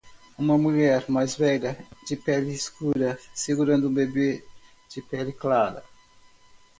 Uma mulher mais velha de pele escura segurando um bebê de pele clara.